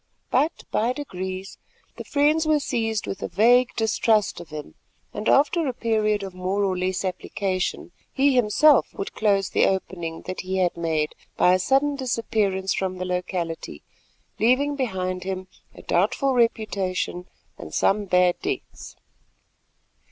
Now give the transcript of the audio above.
But, by degrees, the friends were seized with a vague distrust of him; and, after a period of more or less application, he himself would close the opening that he had made by a sudden disappearance from the locality, leaving behind him a doubtful reputation and some bad debts.